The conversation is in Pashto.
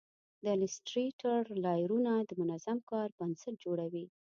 د ایلیسټریټر لایرونه د منظم کار بنسټ جوړوي.